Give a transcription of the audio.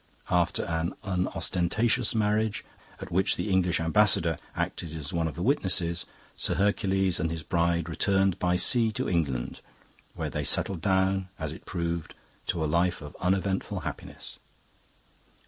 After an unostentatious marriage, at which the English ambassador acted as one of the witnesses, Sir Hercules and his bride returned by sea to England, where they settled down, as it proved, to a life of uneventful happiness.